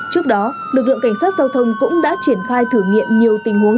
trước đó lực lượng cảnh sát giao thông cũng đã triển khai thử nghiệm nhiều tình huống